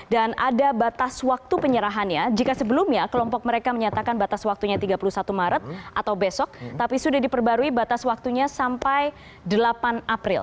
ada batas waktu penyerahannya jika sebelumnya kelompok mereka menyatakan batas waktunya tiga puluh satu maret atau besok tapi sudah diperbarui batas waktunya sampai delapan april